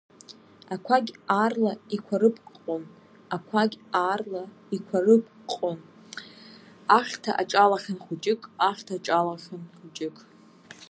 Ақәагь аарла иқәарыпҟҟон, ақәагь аарла иқәарыпҟҟон, ахьҭа аҿалахьан хәыҷык, ахьҭа аҿалахьан хәыҷык.